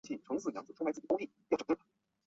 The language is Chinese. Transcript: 后赴上海谋职。